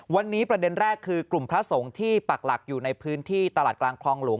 วันนี้ประเด็นแรกคือกลุ่มพระสงฆ์ที่ปักหลักอยู่ในพื้นที่ตลาดกลางคลองหลวง